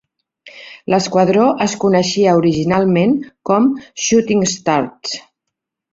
L"esquadró es coneixia originalment com "Shooting Stars".